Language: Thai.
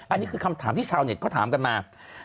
อันนี้คือคำถามที่ชาวเน็ตเขาถามกันมา